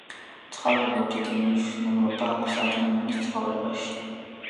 ცხოველებს დიდი მნიშვნელობა აქვს ადამიანის ცხოვრებაში.